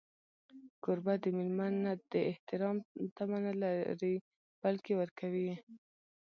کوربه د مېلمه نه د احترام تمه نه لري، بلکې ورکوي.